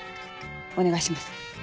お願いします。